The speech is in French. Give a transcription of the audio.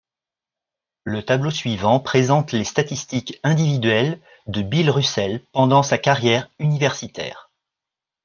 Le tableau suivant présente les statistiques individuelles de Bill Russell pendant sa carrière universitaire.